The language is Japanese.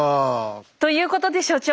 ということで所長。